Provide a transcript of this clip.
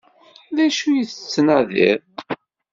D acu i la tettnadiḍ?